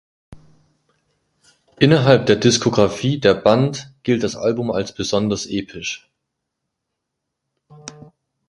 Innerhalb der Diskografie der Band gilt das Album als besonders episch.